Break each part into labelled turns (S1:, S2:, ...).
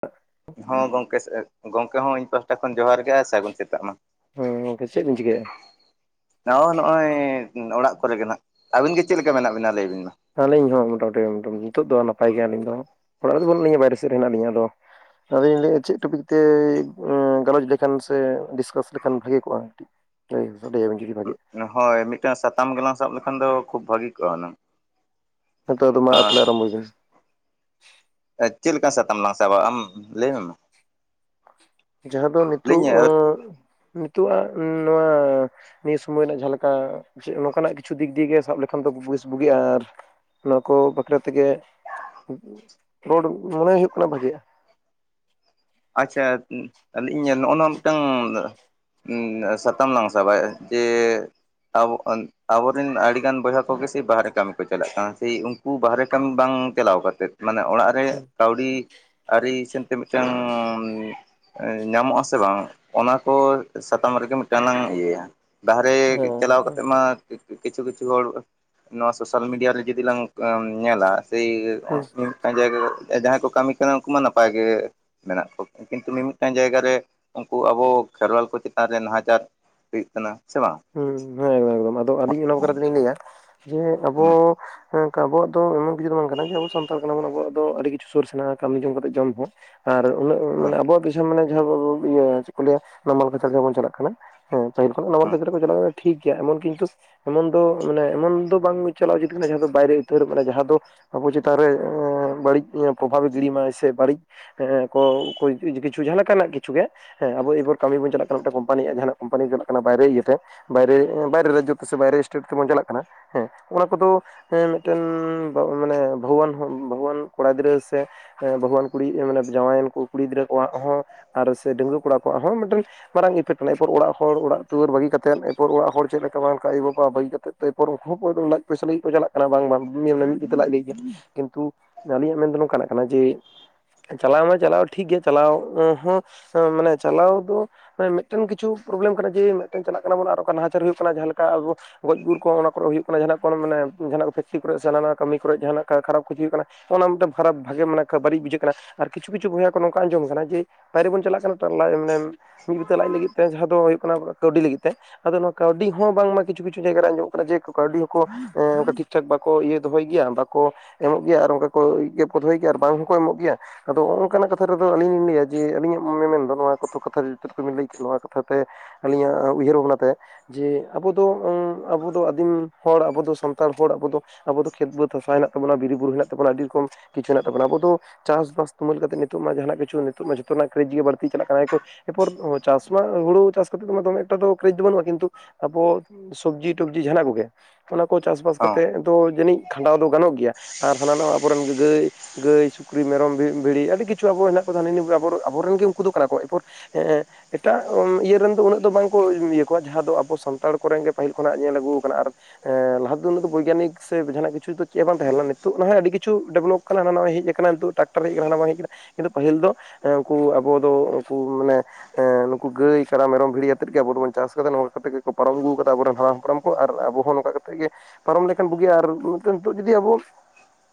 S1: ᱦ [unintelligible]
S2: ᱦᱚᱸ ᱜᱚᱝᱠᱮ, ᱜᱚᱝᱠᱮ ᱦᱚᱸ ᱤᱧ ᱯᱟᱦᱴᱟ ᱠᱷᱚᱱ ᱡᱚᱦᱟᱨ ᱜᱮ ᱾ ᱥᱟᱹᱜᱩᱱ ᱥᱮᱛᱟᱜ ᱢᱟ
S1: ᱦᱮᱸ ᱜᱚᱝᱠᱮ ᱪᱮᱫ ᱵᱤᱱ ᱪᱤᱠᱟᱹᱭᱮᱜᱼᱟ?
S2: ᱾ ᱱᱚᱜ-ᱚ ᱱᱚᱜᱼᱚᱭ ᱚᱲᱟᱜ ᱠᱚᱨᱮ ᱜᱮ ᱱᱟᱦᱟᱜ ᱾ ᱟᱹᱵᱤᱱ ᱜᱮ ᱪᱮᱫ ᱞᱮᱠᱟ ᱢᱮᱱᱟᱜ ᱵᱤᱱᱟ ᱞᱟᱹᱭ ᱵᱤᱱ ᱢᱟ?
S1: ᱟᱹᱞᱤᱧ ᱦᱚᱸ ᱢᱚᱴᱟᱢᱩᱴᱤ [unintelligible] ᱱᱤᱛᱚᱜ ᱫᱚ ᱱᱟᱯᱟᱭ ᱜᱮ ᱟᱹᱞᱤᱧ ᱫᱚ ᱚᱲᱟᱜ ᱨᱮᱫᱚ ᱵᱟᱹᱱᱩᱜ ᱞᱤᱧᱟ ᱵᱟᱭᱨᱮ ᱥᱮᱫ ᱨᱮ ᱦᱮᱱᱟᱜ ᱞᱤᱧᱟ ᱟᱫᱚ ᱟᱫᱚᱧ ᱞᱟᱹᱭᱮᱫᱼᱟ ᱪᱮᱫ ᱴᱚᱯᱤᱠ ᱛᱮ ᱜᱟᱞᱚᱪ ᱞᱮᱠᱷᱟᱱ ᱥᱮ ᱰᱤᱥᱠᱟᱥ ᱞᱮᱠᱷᱟᱱ ᱵᱷᱟᱜᱮ ᱠᱚᱜᱼᱟ ᱾ ᱫᱟᱹᱭᱵᱧ ᱡ [unintelligible]
S2: ᱦᱳᱭ ᱢᱤᱫᱴᱟᱝ ᱥᱟᱛᱟᱢ ᱜᱮᱞᱟᱝ ᱥᱟᱵ ᱞᱮᱠᱷᱟᱱ ᱫᱚ ᱠᱷᱩᱵ ᱵᱷᱟᱹᱜᱤ ᱠᱚᱜ-ᱟ ᱦᱩᱱᱟᱹᱝ ᱾
S1: ᱦᱚ ᱟᱫᱚ ᱢᱟ ᱛᱟᱦᱚᱞᱮ ᱞᱮ ᱟᱨᱚᱢᱵᱚᱭ ᱵᱤᱱ ᱾
S2: ᱪᱮᱫ ᱞᱮᱠᱟ ᱥᱟᱛᱟᱢ ᱞᱟᱝ ᱥᱟᱵᱼᱟ ᱟᱢ ᱞᱟᱹᱭ ᱢᱮ?
S1: ᱡᱟᱦᱟᱸ ᱫᱚ ᱱᱤᱛᱚᱜ,
S2: ᱞᱟᱹᱭᱟᱹᱧ
S1: ᱱᱤᱛᱚᱜ ᱟᱜ ᱱᱚᱣᱟ ᱱᱤᱭᱟᱹ ᱥᱚᱢᱚᱭ ᱨᱮᱱᱟᱜ ᱡᱟᱦᱟᱸᱮ ᱞᱮᱠᱟ ᱱᱚᱝᱠᱟᱱᱟᱜ ᱠᱤᱪᱷᱩ ᱫᱤᱠ ᱫᱤᱭᱮ ᱥᱟᱵ ᱞᱮᱠᱷᱟᱱ ᱫᱚ ᱵᱩᱜᱤᱜ-ᱟ ᱟᱨ ᱱᱚᱣᱟ ᱠᱚ ᱵᱟᱠᱷᱨᱟ ᱛᱮᱜᱮ ᱨᱚᱲ ᱢᱚᱱᱮ ᱦᱩᱭᱩᱜ ᱠᱟᱱᱟ ᱵᱷᱟᱜᱮᱜ-ᱟ ᱾
S2: ᱟᱪᱪᱷᱟ ᱞᱟᱹᱭ ᱤᱧ ᱱᱚᱜᱼᱚ ᱱᱚᱣᱟ ᱢᱤᱫᱴᱟᱝᱻ ᱥᱟᱛᱟᱢ ᱞᱟᱝ ᱥᱟᱵ, ᱡᱮ ᱟᱵᱚ ᱟᱵᱚᱨᱮᱱ ᱟᱹᱰᱤᱜᱟᱱ ᱵᱚᱭᱦᱟ ᱠᱚᱜᱮ ᱥᱮ ᱵᱟᱦᱨᱮ ᱠᱟᱹᱢᱤ ᱠᱚ ᱪᱟᱞᱟᱜ ᱠᱟᱱᱟ ᱥᱮᱭ ᱩᱱᱠᱩ ᱵᱟᱦᱨᱮ ᱠᱟᱹᱢᱤ ᱵᱟᱝ ᱪᱟᱞᱟᱣ ᱠᱟᱛᱮᱫ ᱢᱟᱱᱮ ᱚᱲᱟᱜ ᱨᱮ ᱠᱟᱹᱣᱰᱤ ᱟᱹᱨᱤ ᱥᱮᱱ ᱛᱮ ᱢᱤᱫᱴᱟᱝ ᱧᱟᱢᱚᱜ ᱟᱥᱮ ᱵᱟᱝ ᱚᱱᱟ ᱠᱚ ᱥᱟᱛᱟᱢ ᱨᱮᱜᱮ ᱢᱤᱫᱴᱟᱝ ᱞᱟᱝ ᱤᱭᱟᱹᱭᱟ ᱾ ᱵᱟᱦᱨᱮ
S1: ᱦᱮᱸ
S2: ᱪᱟᱞᱟᱣ ᱠᱟᱛᱮᱫ
S1: ᱦᱮᱸ
S2: ᱢᱟ ᱠᱤᱪᱷᱩ ᱠᱤᱪᱷᱩ ᱦᱚᱲ ᱱᱚᱣᱟ ᱥᱳᱥᱟᱞ ᱢᱤᱰᱤᱭᱟ ᱨᱮ ᱡᱩᱫᱤ ᱞᱟᱝ ᱧᱮᱞᱟ, ᱥᱮᱭ [unintelligible] ᱠᱟᱱ ᱡᱟᱭᱜᱟ ᱡᱟᱦᱟᱸᱭ ᱠᱚ ᱠᱟᱹᱢᱤ ᱠᱟᱱᱟ ᱩᱱᱠᱩ ᱢᱟ ᱱᱟᱯᱟᱭ ᱜᱮ ᱾ ᱢᱮᱱᱟᱜ ᱠᱚ ᱾ ᱠᱤᱱᱛᱩ ᱢᱤ-ᱢᱤᱫᱴᱟᱱ ᱡᱟᱭᱜᱟ ᱨᱮ ᱩᱱᱠᱩ ᱟᱵᱚ ᱠᱷᱮᱨᱣᱟᱞ ᱠᱚ ᱪᱮᱛᱟᱱ ᱨᱮ ᱱᱟᱦᱟᱪᱟᱨ ᱦᱩᱭᱩᱜ ᱠᱟᱱᱟ ᱥᱮ ᱵᱟᱝ?
S1: ᱦᱮᱸ ᱦᱮᱸ ᱮᱠᱫᱚᱢ ᱟᱫᱚ
S2: ᱦᱚᱸ
S1: ᱟᱹᱞᱤᱧ ᱚᱱᱟ ᱵᱟᱠᱷᱟᱨᱟ ᱛᱮᱞᱤᱧ ᱞᱟᱹᱭᱟ, ᱡᱮ ᱟᱵᱚᱼᱼ
S2: ᱦᱚᱸ
S1: ᱦᱮ ᱚᱝᱠᱟ ᱟᱵᱚᱣᱟᱜ ᱫᱚ ᱮᱢᱚᱱ ᱠᱤᱪᱷᱩ ᱫᱚ ᱵᱟᱝ ᱠᱟᱱᱟ ᱡᱮ ᱡᱮᱢᱚᱱ ᱥᱟᱱᱛᱟᱲ ᱠᱟᱱᱟ ᱵᱚᱱ ᱟᱣᱟᱜ ᱫᱚ ᱟᱹᱰᱤ ᱠᱤᱪᱷᱩ ᱥᱳᱨᱥ ᱦᱮᱱᱟᱜ-ᱟ ᱠᱟᱹᱢᱤ ᱡᱚᱝ ᱠᱟᱛᱮ ᱡᱚᱢ ᱦᱚᱸ ᱾ ᱟᱨ ᱩᱱᱟᱹᱜ ᱢᱟᱱᱮ
S2: ᱦᱚᱸ
S1: ᱟᱵᱚᱣᱟᱼᱼ ᱡᱟᱸᱦᱟ ᱢᱟᱱᱮ ᱡᱟᱦᱟᱸᱢ ᱤᱭᱟᱹ ᱪᱮᱫ ᱠᱚ ᱞᱟᱹᱭᱟ ᱱᱟᱢᱟᱞ ᱠᱟᱪᱷᱟᱲ ᱡᱟᱦᱟ ᱵᱚᱱ ᱪᱟᱞᱟᱜ ᱠᱟᱱᱟ, ᱦᱮᱸ ᱯᱟᱹᱦᱤᱞ ᱠᱷᱚᱱ ᱱᱟᱢᱟᱞ ᱠᱟᱪᱷᱟᱲ ᱠᱚ ᱪᱟᱞᱟᱜ ᱴᱷᱤᱠ ᱜᱮᱭᱟ, ᱮᱢᱚᱱ ᱠᱤᱱᱛᱩ ᱮᱢᱚᱱ ᱫᱚ ᱢᱟᱱᱮ ᱮᱢᱚᱱ ᱫᱚ ᱵᱟᱝ ᱪᱟᱞᱟᱣ ᱩᱪᱤᱛ ᱠᱟᱱᱟ ᱡᱟᱦᱟᱸ ᱫᱚ ᱵᱟᱭᱨᱮ ᱩᱛᱟᱹᱨ ᱢᱟᱱᱮ ᱡᱟᱦᱟᱸ ᱫᱚᱼᱼ ᱟᱵᱚ ᱪᱮᱛᱟᱱᱨᱮ ᱮᱸ ᱵᱟᱹᱲᱤᱡ ᱯᱨᱚᱵᱷᱟᱵᱮ ᱜᱤᱲᱤ ᱢᱟᱭ ᱥᱮ ᱵᱟᱹᱲᱤᱡ ᱦᱮᱸ ᱠᱚ ᱚᱠᱚᱭ [unintelligible] ᱡᱤ ᱠᱤ ᱠᱤᱪᱷᱩ ᱡᱟᱦᱟᱸ ᱞᱮᱠᱟᱱᱟᱜ ᱠᱤᱪᱷᱩ ᱜᱮ ᱾ ᱦᱮᱸ ᱟᱵᱚ ᱮᱵᱟᱨ ᱠᱟᱹᱢᱤ ᱵᱚᱱ ᱪᱟᱞᱟᱜ ᱠᱟᱱᱟ ᱢᱤᱫᱴᱟᱝ ᱠᱳᱢᱱᱤᱭᱟᱜ ᱡᱟᱦᱟᱱᱟᱜ ᱠᱳᱢᱯᱟᱱᱤᱢ ᱪᱟᱞᱟᱜ ᱠᱟᱱᱟ ᱵᱟᱭᱨᱮ ᱤᱭᱟᱹᱼᱼ ᱛᱮ ᱵᱟᱭᱨᱮ, ᱵᱟᱭᱨᱮ ᱨᱟᱡᱡᱚ ᱛᱮ ᱥᱮ ᱵᱟᱭᱨᱮ ᱥᱴᱮᱴ ᱛᱮᱵᱚᱱ ᱪᱟᱞᱟᱜ ᱠᱟᱱᱟ ᱦᱮᱸ ᱚᱱᱟ ᱠᱚᱫᱚᱼᱼ ᱦᱮᱸ ᱢᱤᱫᱴᱮᱱ ᱢᱟᱱᱮ ᱵᱟᱦᱩᱣᱟᱱ ᱵᱟᱦᱩᱣᱟᱱ ᱠᱚᱲᱟ ᱜᱤᱫᱽᱨᱟᱹ ᱥᱮᱼᱼ ᱵᱟᱦᱩᱣᱟᱱ ᱠᱩᱲᱤ ᱢᱟᱱᱮ ᱡᱟᱸᱣᱟᱭᱟᱱ ᱠᱩ ᱠᱩᱲᱤ ᱜᱤᱫᱽᱨᱟᱹ ᱠᱚᱣᱟᱜ ᱦᱚᱸᱼᱼ ᱟᱨ ᱥᱮ ᱰᱟᱹᱜᱣᱟᱹ ᱠᱚᱲᱟ ᱠᱚᱣᱟᱜ ᱦᱚᱸ ᱢᱤᱫᱴᱮᱱ ᱢᱟᱨᱟᱝ ᱤᱯᱷᱮᱠᱴ ᱢᱮᱱᱟᱜᱼᱟ ᱮᱨᱯᱚᱨ ᱚᱲᱟᱜ ᱦᱚᱲ ᱚᱲᱟᱜ ᱫᱩᱣᱟᱹᱨ ᱵᱟᱹᱜᱤ ᱠᱟᱛ ᱼᱼ ᱛᱮᱫ ᱮᱨᱯᱚᱨ ᱚᱲᱟᱜ ᱪᱮᱫ ᱞᱮᱠᱟ ᱵᱟᱝ ᱞᱮᱠᱟ ᱟᱭᱳ ᱵᱟᱵᱟ ᱵᱟᱹᱜᱤ ᱠᱟᱛᱮᱫ ᱫᱚ ᱮᱨᱯᱚᱨ ᱩᱱᱠᱩ ᱦᱚᱸ [unintelligible] ᱞᱟᱡ ᱯᱚᱭᱥᱟ ᱞᱟᱹᱜᱤᱫ ᱠᱚ ᱪᱟᱞᱟᱜ ᱠᱟᱱᱟ ᱵᱟᱝ ᱵᱟᱝ ᱢᱤᱫ ᱵᱤᱛᱟᱹ ᱞᱟᱡ ᱵᱤᱜ ᱜᱮᱭᱟ ᱾ ᱠᱤᱱᱛᱩ ᱟᱹᱞᱤᱧᱟᱜ ᱢᱮᱱᱫᱚ ᱱᱚᱝᱠᱟᱱᱟᱜ ᱠᱟᱱᱟ ᱡᱮᱼᱼ ᱪᱟᱞᱟᱣ ᱢᱟ ᱪᱟᱞᱟᱣ ᱫᱚ ᱴᱷᱤᱠ ᱜᱮ ᱪᱟᱞᱟᱣ ᱦᱚᱸ ᱢᱟᱱᱮ ᱪᱟᱞᱟᱣ ᱫᱚ ᱦᱮ ᱢᱤᱫᱴᱮᱱ ᱠᱤᱪᱷᱩ ᱯᱨᱚᱵᱽᱞᱮᱢ ᱠᱟᱱᱟ ᱡᱮ ᱢᱤᱫᱴᱮᱱ ᱪᱟᱞᱟᱜ ᱠᱟᱱᱟᱵᱚᱱ ᱟᱨ ᱚᱝᱠᱟ ᱱᱟᱦᱟᱪᱟᱨ ᱦᱩᱭᱩᱜ ᱠᱟᱱᱟ ᱡᱟᱦᱟᱸ ᱞᱮᱠᱟ ᱟᱵᱚᱼᱼ ᱜᱚᱡ ᱜᱩᱨ ᱠᱚ ᱚᱱᱟ ᱠᱚᱨᱮᱜ ᱦᱩᱭᱩᱜ ᱠᱟᱱᱟ, ᱡᱟᱦᱟᱱᱟᱜ ᱢᱟᱱᱮ ᱡᱟᱦᱟᱱᱟᱜ ᱠᱚ ᱯᱷᱮᱠᱴᱨᱤ ᱠᱚᱨᱮᱜ ᱥᱮ ᱦᱟᱱᱟ ᱱᱚᱣᱟ ᱠᱟᱹᱢᱤ ᱠᱚᱨᱮᱜ ᱡᱟᱦᱟᱱᱟᱜ ᱠᱷᱟᱨᱟᱯ ᱠᱤᱪᱷᱩ ᱦᱩᱭᱩᱜ ᱠᱟᱱᱟ ᱾ ᱚᱱᱟ ᱢᱤᱫᱴᱟᱱ ᱠᱷᱟᱨᱟᱯ ᱵᱷᱟᱜᱮ ᱢᱟᱱᱮ ᱵᱟᱹᱲᱤᱡ ᱵᱩᱡᱷᱟᱹᱜ ᱠᱟᱱᱟ ᱟᱨ ᱠᱤᱪᱷᱩ ᱠᱤᱪᱷᱩ ᱵᱚᱭᱦᱟ ᱠᱚ ᱱᱚᱝᱠᱟ ᱟᱸᱡᱚᱢ ᱠᱟᱱᱟ ᱡᱮ ᱵᱟᱭᱨᱮ ᱵᱚᱱ ᱪᱟᱞᱟᱜ ᱠᱟᱱᱟ ᱛᱚ ᱞᱟᱡ ᱢᱟᱱᱮ ᱢᱤᱫ ᱵᱤᱛᱟᱹ ᱞᱟᱡ ᱞᱟᱹᱜᱤᱫ ᱛᱮ ᱡᱟᱦᱟᱸ ᱫᱚ ᱦᱩᱭᱩᱜ ᱠᱟᱱᱟ ᱠᱟᱹᱣᱰᱤ ᱞᱟᱹᱜᱤᱫ ᱾ ᱛᱮ ᱟᱫᱚ ᱱᱚᱣᱟ ᱠᱟᱹᱣᱰᱤ ᱦᱚᱸ ᱵᱟᱝᱢᱟ ᱠᱤᱪᱷᱩ ᱠᱤᱪᱷᱩ ᱡᱟᱭᱜᱟ ᱨᱮ ᱟᱸᱡᱚᱢᱚᱜ ᱠᱟᱱᱟ ᱡᱮ ᱠᱟᱹᱣᱰᱤ ᱦᱚᱸᱠᱚ ᱮᱸ ᱴᱷᱤᱠᱼᱼ ᱴᱷᱮᱫ ᱵᱟᱠᱚ ᱤᱭᱟᱹ ᱫᱚᱦᱚᱭ ᱜᱮᱭᱟ ᱵᱟᱠᱚ ᱮᱢᱚᱜ ᱜᱮᱭᱟ ᱟᱨ ᱚᱝᱠᱟ ᱠᱚ ᱫᱚᱦᱚᱭ ᱜᱮᱭᱟ ᱟᱨ ᱵᱟᱝ ᱦᱚᱸᱠᱚ ᱮᱢᱚᱜ ᱜᱮᱭᱟ, ᱟᱫᱚ ᱱᱚᱝᱠᱟᱱᱟᱜ ᱠᱟᱛᱷᱟ ᱨᱮᱫᱚ ᱟᱹᱞᱤᱧ ᱞᱤᱧ ᱞᱟᱹᱭᱟ ᱡᱮ ᱟᱹᱞᱤᱧᱟᱜ ᱢᱮᱱᱱ ᱢᱮᱱᱫᱚ ᱱᱚᱣᱟ ᱠᱚᱛᱚ ᱠᱟᱛᱷᱟ ᱡᱚᱛᱚ ᱴᱚᱠᱩᱵᱤᱱ ᱞᱟᱹᱭ ᱠᱮᱫ ᱱᱚᱣᱟ ᱠᱟᱛᱷᱟ ᱛᱮᱼᱼ ᱟᱹᱞᱤᱧᱟᱜ ᱩᱭᱦᱟᱹᱨ ᱵᱷᱟᱵᱽᱱᱟᱛᱮ ᱡᱮ ᱟᱵᱚ ᱫᱚ ᱳᱸ ᱟᱵᱚ ᱫᱚ ᱟᱹᱫᱤᱢ ᱦᱚᱲ ᱟᱵᱚ ᱫᱚ ᱥᱟᱱᱛᱟᱲ ᱦᱚᱲ ᱟᱵᱚ ᱫᱚᱼᱼ ᱟᱵᱚ ᱫᱚ ᱠᱷᱮᱛ ᱵᱟᱹᱫᱽ ᱦᱟᱥᱟ ᱦᱮᱱᱟᱜ ᱛᱟᱵᱚᱱᱟ ᱵᱤᱨ ᱵᱩᱨᱩ ᱦᱮᱱᱟᱜ ᱛᱟᱵᱚᱱᱟ ᱟᱹᱰᱤ ᱨᱚᱠᱚᱢ ᱠᱤᱪᱷᱩ ᱦᱮᱱᱟᱜ ᱛᱟᱵᱚᱱᱟ ᱟᱵᱚ ᱫᱚᱼᱼ ᱪᱟᱥᱵᱟᱥ ᱛᱩᱢᱟᱹᱞ ᱠᱟᱛᱮᱜ ᱱᱤᱛᱚᱜ ᱢᱟ ᱡᱟᱦᱟᱱᱟᱜ ᱠᱤᱪᱷᱩ ᱱᱤᱛᱚᱜ ᱢᱟ ᱡᱚᱛᱚᱱᱟᱜ ᱠᱮᱨᱮᱡ ᱜᱮ ᱵᱟᱹᱲᱛᱤ ᱪᱟᱞᱟᱜ ᱠᱟᱱᱟ ᱮᱼᱼ ᱮᱨᱯᱚᱨ, ᱪᱟᱥ ᱢᱟ ᱦᱩᱲᱩ ᱪᱟᱥ ᱠᱟᱛᱮᱫ ᱢᱟ ᱫᱚᱢᱮ ᱴᱟᱜ ᱫᱚ ᱠᱮᱨᱮᱡ ᱫᱚ ᱵᱟᱹᱱᱩᱜᱼᱟ ᱠᱤᱱᱛᱩ ᱟᱵᱚ ᱥᱚᱵᱽᱡᱤ ᱴᱚᱵᱡᱤ ᱡᱟᱦᱟᱸᱱᱟᱜ ᱠᱚᱜᱮ ᱚᱱᱟ ᱠᱚ ᱪᱟᱥᱵᱟᱥ
S2: ᱦᱚᱸ
S1: ᱠᱟᱛᱮ ᱫᱚ ᱡᱟᱹᱱᱤᱡ ᱠᱷᱟᱸᱰᱟᱣ ᱫᱚ ᱜᱟᱱᱚᱜ ᱜᱮᱭᱟ ᱟᱨ ᱦᱟᱱᱟ ᱱᱚᱣᱟ ᱟᱵᱚᱨᱮᱱ ᱜᱟᱹ ᱜᱟᱹᱭᱼᱼ ᱜᱟᱹᱭ, ᱥᱩᱠᱨᱤ, ᱢᱮᱨᱚᱢ, ᱵᱷᱤ ᱵᱷᱤᱲᱤ ᱟᱹᱰᱤ ᱠᱤᱪᱷᱩ ᱟᱵᱚ ᱦᱮᱱᱟᱜ ᱠᱚᱫᱚ ᱦᱟᱱᱮ ᱤᱱᱟᱹ ᱯᱚᱨᱮ ᱟᱵᱚ ᱟᱵᱚ ᱨᱮᱱ ᱜᱮ ᱩᱱᱠᱩ ᱫᱚ ᱠᱟᱱᱟ ᱠᱚ ᱮᱨᱯᱚᱨᱼᱼ ᱮᱸ ᱮᱸ ᱮᱴᱟᱜ ᱤᱭᱟᱹ ᱨᱮᱱ ᱫᱚ ᱩᱱᱟᱹᱜ ᱫᱚ ᱵᱟᱝᱼᱼ ᱠᱚ ᱤᱭᱟᱹ ᱠᱚᱣᱟ ᱡᱟᱦᱟᱸ ᱫᱚ ᱟᱵᱚ ᱥᱟᱱᱛᱟᱲ ᱠᱚᱨᱮᱱ ᱜᱮ ᱯᱟᱹᱦᱤᱞ ᱠᱷᱚᱱᱟᱜ ᱧᱮᱞ ᱟᱹᱜᱩᱣ ᱠᱟᱱᱟ ᱟᱨᱼᱼ ᱦᱮᱸ ᱞᱟᱦᱟ ᱛᱮᱫᱚ ᱩᱱᱟᱹᱜ ᱫᱚ ᱵᱳᱜᱭᱟᱱᱤᱠ ᱥᱮ ᱡᱟᱦᱟᱱᱟᱜ ᱠᱤᱪᱷᱩ ᱫᱚ ᱪᱮᱫ ᱦᱚᱸ ᱵᱟᱝ ᱛᱟᱦᱮᱸ ᱞᱮᱱᱟ ᱱᱤᱛᱚᱜ ᱱᱟᱜ ᱟᱹᱰᱤ ᱠᱤᱪᱷᱩ ᱰᱮᱵᱞᱚᱯᱼᱼ ᱠᱟᱱᱟ ᱱᱟᱜᱼᱚᱭ ᱦᱮᱡ ᱠᱟᱱᱟ ᱱᱤᱛᱚᱜ ᱴᱟᱠᱴᱟᱨ ᱦᱮᱡ ᱠᱟᱱᱟ ᱦᱟᱱᱟ ᱵᱟᱝ ᱦᱮᱡ ᱠᱟᱱᱟᱼᱼ ᱠᱤᱱᱛᱩ ᱯᱟᱹᱦᱤᱞ ᱫᱚ ᱩᱱᱠᱩ ᱟᱵᱚ ᱫᱚ ᱩᱱᱠᱩ ᱢᱟᱱᱮ ᱮ ᱱᱩᱠᱩ ᱜᱟᱹᱭ, ᱠᱟᱰᱟ, ᱢᱮᱨᱚᱢ, ᱵᱷᱤᱲᱤᱭᱟᱼᱼ ᱛᱮᱫ ᱜᱮ ᱟᱵᱚ ᱫᱚᱵᱚᱱ ᱪᱟᱥ ᱠᱟᱫᱟ ᱱᱚᱝᱠᱟ ᱠᱟᱛᱮᱫ ᱜᱮᱠᱚ ᱯᱟᱨᱚᱢ ᱟᱹᱜᱩᱣ ᱠᱟᱫᱟ ᱟᱵᱚᱨᱮᱱ ᱦᱟᱲᱟᱢ-ᱦᱟᱯᱲᱟᱢ ᱠᱚ, ᱟᱨ ᱟᱵᱚ ᱦᱚᱸ ᱱᱚᱝᱠᱟ ᱠᱟᱛᱮᱫ ᱜᱮᱼᱼ ᱯᱟᱨᱚᱢ ᱞᱮᱠᱷᱟᱱ ᱵᱩᱜᱤᱜᱼᱟ, ᱟᱨ ᱱᱤᱛᱚᱸᱜ ᱱᱤᱛᱚ ᱡᱩᱫᱤ ᱟᱵᱚ